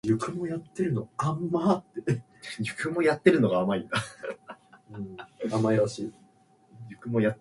Stern has cited Vincent Scully and Philip Johnson as early mentors and influences.